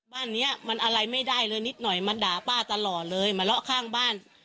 บ้านเนี้ยมันอะไรไม่ได้เลยนิดหน่อยมาด่าป้าตลอดเลยมาเลาะข้างบ้าน